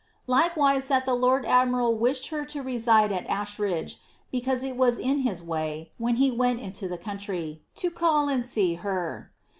'* Likewise that the lord admiral wished her to reside at Ashridge, because it was in his way, when he went into the country, to call and see her.